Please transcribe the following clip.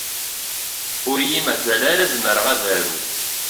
Ur yi-mazal ara zemreɣ ad aruɣ.